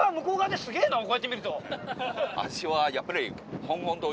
こうやって見ると。